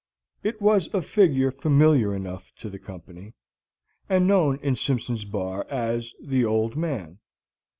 It was a figure familiar enough to the company, and known in Simpson's Bar as "The Old Man."